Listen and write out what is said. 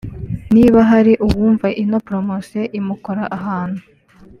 niba hari uwunva ino promosiyo imukora ahantu